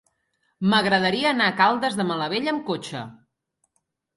M'agradaria anar a Caldes de Malavella amb cotxe.